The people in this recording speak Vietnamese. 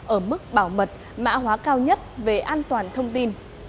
ở mức bảo mật mã hóa cao nhất về an toàn thông tin